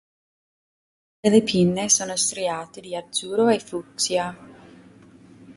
Entrambe le pinne sono striate di azzurro e fucsia.